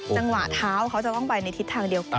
จังหวะเท้าเขาจะต้องไปในทิศทางเดียวกัน